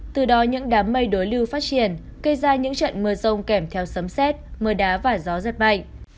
từ đó những đám mây đối lưu phát triển gây ra những trận mưa rông kèm theo sấm xét mưa đá và gió giật mạnh